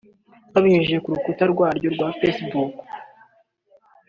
babinyujije ku rukuta rwaryo rwa Facebook